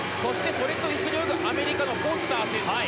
それと一緒に泳ぐアメリカのフォスター選手。